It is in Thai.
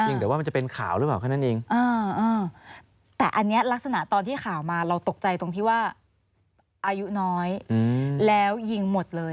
ยิงแต่ว่ามันจะเป็นข่าวหรือเปล่าเค้านั้นเอง